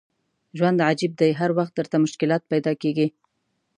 ژوند عجیب دی هر وخت درته مشکلات پیدا کېږي.